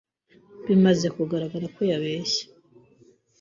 Bimaze kugaragara ko yabeshye.